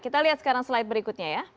kita lihat sekarang slide berikutnya ya